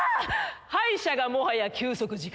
歯医者がもはや休息時間。